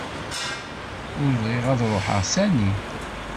Ur bɣiɣ ad ruḥeɣ sani.